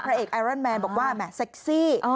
เอกไอรอนแมนบอกว่าแหม่เซ็กซี่